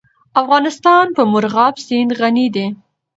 افغانستان په مورغاب سیند غني دی.